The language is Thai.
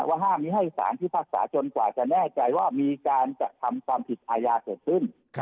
และห้ามมีให้ศาลที่ภาคสาจนกว่าจะแน่ใจว่ามีการกระทำความผิดอายาเกิดขึ้น